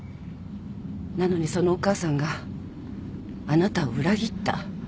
なのにそのお母さんがあなたを裏切った。